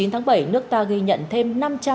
chín tháng bảy nước ta ghi nhận thêm